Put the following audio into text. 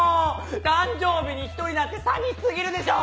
誕生日に１人なんて寂し過ぎるでしょ！